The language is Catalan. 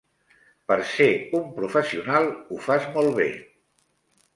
Per ser un professional, ho fas molt bé.